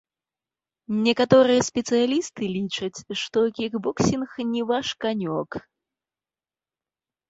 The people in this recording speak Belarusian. Некаторыя спецыялісты лічаць, што кікбоксінг не ваш канёк.